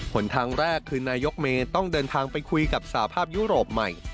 หนทางแรกคือนายกเมย์ต้องเดินทางไปคุยกับสาภาพยุโรปใหม่